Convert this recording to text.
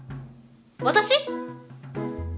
私？